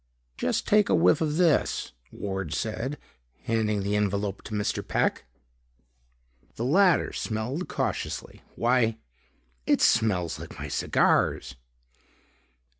"Just take a whiff of this," Ward said, handing the envelope to Mr. Peck. The latter smelled cautiously. "Why, it smells like my cigars."